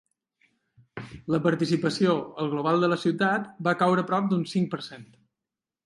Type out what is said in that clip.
La participació, al global de la ciutat, va caure prop d’un cinc per cent.